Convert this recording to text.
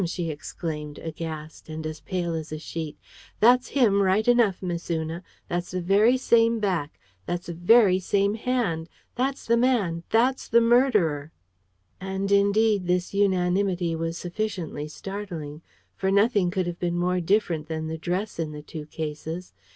she exclaimed, aghast, and as pale as a sheet. "That's him, right enough, Miss Una. That's the very same back! That's the very same hand! That's the man! That's the murderer!" And indeed, this unanimity was sufficiently startling. For nothing could have been more different than the dress in the two cases.